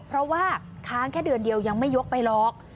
เพราะว่าค้างแค่เดือนเดียวยังไม่ยกไปหรอก